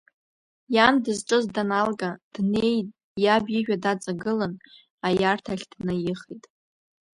Иан дызҿыз даналга, днеин иаб ижәҩа даҵагылан аиарҭахь днаихеит.